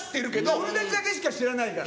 ふるたちだけしか知らないから。